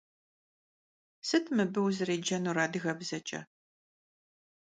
Sıt mıbı vuzerêcenur adıgebzeç'e?